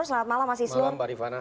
selamat malam mas isro